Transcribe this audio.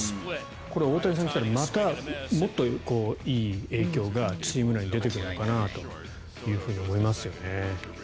これ、大谷さんが来たらもっといい影響がチーム内に出てくるのかなというふうに思いますよね。